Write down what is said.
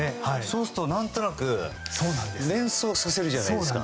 そうすると、何となく連想させるじゃないですか。